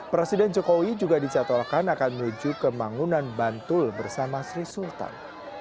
presiden jokowi juga dicatalkan akan menuju ke mangunan bantul bersama sri sultan